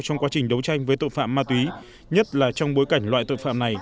trong quá trình đấu tranh với tội phạm ma túy nhất là trong bối cảnh loại tội phạm này